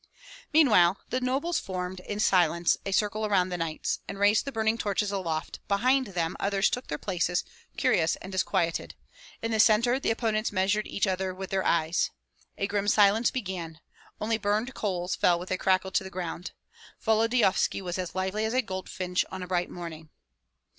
Meanwhile the nobles formed in silence a circle around the knights, and raised the burning torches aloft; behind them others took their places, curious and disquieted; in the centre the opponents measured each other with their eyes. A grim silence began; only burned coals fell with a crackle to the ground. Volodyovski was as lively as a goldfinch on a bright morning.